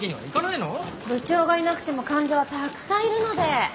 部長がいなくても患者はたくさんいるので。